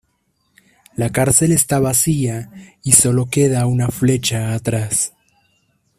La cárcel está vacía y solo queda una flecha atrás.